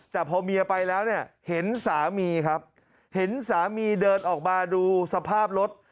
แต่พอเมียไปแล้วเนี่ยเห็นสามีครับเห็นสามีเดินออกมาดูสภาพรถ